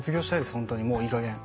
ホントにもういいかげん。